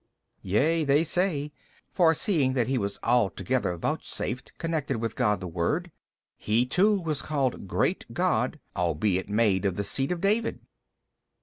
B. Yea, they say: for seeing that He was altogether vouchsafed connection with God the Word, he too was called great God albeit made of the seed of David.